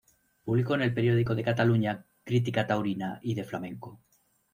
Publicó en el "El Periódico de Catalunya" crítica taurina y de flamenco.